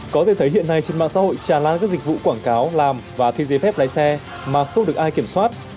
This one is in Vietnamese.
có thể thấy hiện nay trên mạng xã hội tràn lan các dịch vụ quảng cáo làm và thi giấy phép lái xe mà không được ai kiểm soát